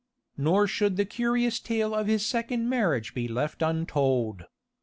Nor should the curious tale of his second marriage be left untold.